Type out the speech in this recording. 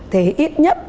thì ít nhất